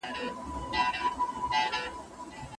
موږ که تور یو که بدرنګه یوکارګان یو